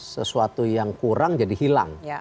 sesuatu yang kurang jadi hilang